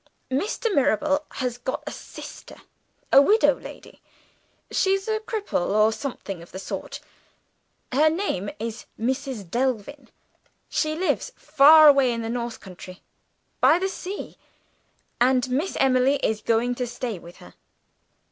Mr. Mirabel has got a sister, a widow lady; she's a cripple, or something of the sort. Her name is Mrs. Delvin. She lives far away in the north country, by the sea; and Miss Emily is going to stay with her."